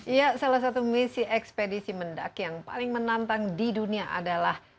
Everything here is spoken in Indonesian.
ya salah satu misi ekspedisi mendak yang paling menantang di dunia adalah